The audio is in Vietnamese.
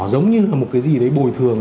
giống như là một cái gì đấy bồi thường